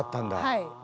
はい。